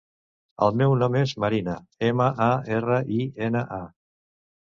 El meu nom és Marina: ema, a, erra, i, ena, a.